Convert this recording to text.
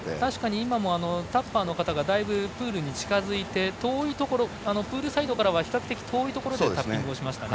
今もタッパーの方がだいぶプールに近づいてプールサイドから比較的遠いところでタッピングをしましたね。